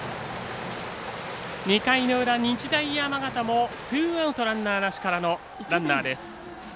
２回の裏、日大山形もツーアウト、ランナーなしからのランナーです。